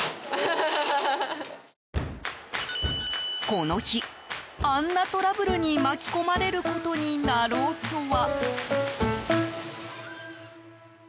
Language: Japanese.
この日、あんなトラブルに巻き込まれることになろうとは。